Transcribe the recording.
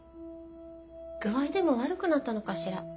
具合でも悪くなったのかしら。